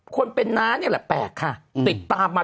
คนเป็นน้านี่แหละแปลกค่ะติดตามมา